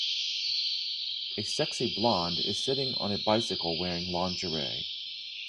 A sexy blond is sitting on a bicycle wearing lingerie.